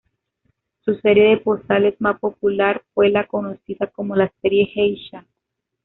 Su serie de postales más popular fue la conocida como la serie 'Geisha'.